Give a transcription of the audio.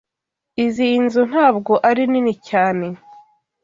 Izoi nzu ntabwo ari nini cyane.